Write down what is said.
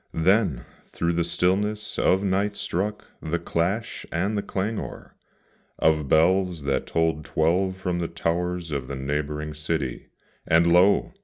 Then through the stillness of night struck the clash and the clangor Of bells that told twelve from the towers of the neighbouring city; And lo!